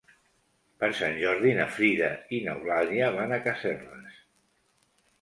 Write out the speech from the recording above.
Per Sant Jordi na Frida i n'Eulàlia van a Casserres.